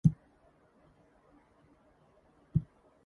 Luck was born in Flensburg, into a Prussian family with old military roots.